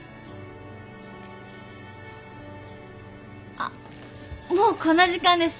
あっもうこんな時間です。